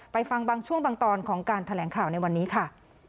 ฟังบางช่วงบางตอนของการแถลงข่าวในวันนี้ค่ะ